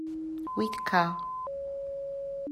With ca.